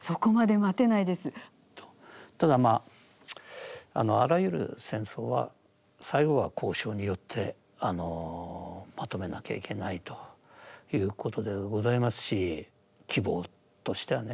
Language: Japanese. ただあらゆる戦争は最後は交渉によってまとめなきゃいけないということでございますし希望としてはね